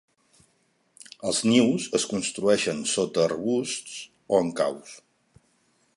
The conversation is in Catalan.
Els nius es construeixen sota arbusts o en caus.